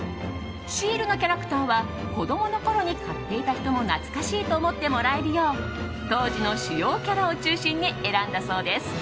シールのキャラクターは子供のころに買っていた人も懐かしいと思ってもらえるよう当時の主要キャラを中心に選んだそうです。